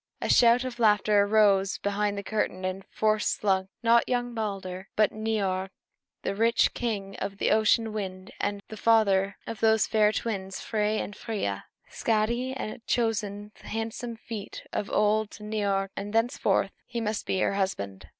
A shout of laughter arose behind the curtain, and forth slunk not young Balder, but old Niörd the rich, king of the ocean wind, the father of those fair twins, Frey and Freia. Skadi had chosen the handsome feet of old Niörd, and thenceforth he must be her husband.